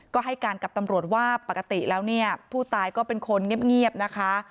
ก็ให้การกับตำรวจว่าปกติแล้วเนี่ยผู้ตายก็เป็นคนเงียบนะคะ